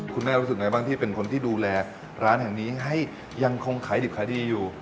รู้สึกไงบ้างที่เป็นคนที่ดูแลร้านแห่งนี้ให้ยังคงขายดิบขายดีอยู่